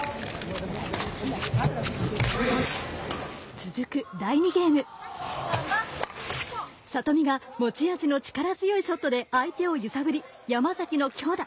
続く第２ゲーム里見が持ち味の力強いショットで相手を揺さぶり山崎の強打。